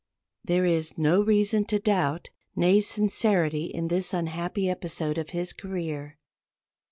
There is no reason to doubt Ney's sincerity in this unhappy episode of his career.